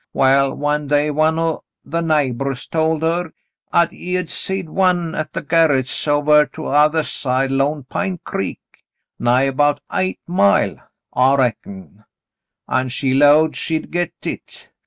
Well, one day one o' the neighbors told her 'at he'd seed one at Gerret's, ovah t'othah side Lone Pine Creek, nigh about eight mile, I reckon; an' she 'lowed she'd get hit.